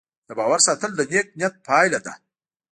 د باور ساتل د نیک نیت پایله ده.